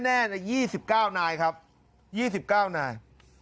ใน๒๙นายครับ๒๙นาย